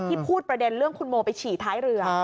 พูดประเด็นเรื่องคุณโมไปฉี่ท้ายเรือ